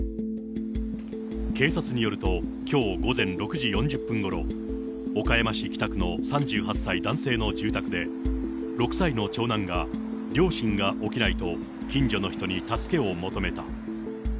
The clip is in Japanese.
警察によると、きょう午前６時４０分ごろ、岡山市北区の３８歳男性の住宅で、６歳の長男が両親が起きないと、近所の人に助けを求めた。